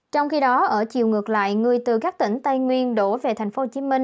trong khi đó ở chiều ngược lại người từ các tỉnh tây nguyên đổ về tp hcm